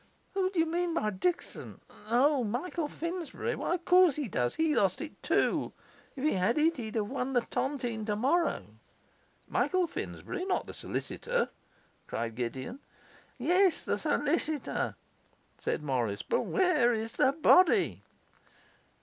'Who do you mean by Dickson? O, Michael Finsbury! Why, of course he does! He lost it too. If he had it, he'd have won the tontine tomorrow.' 'Michael Finsbury! Not the solicitor?' cried Gideon. 'Yes, the solicitor,' said Morris. 'But where is the body?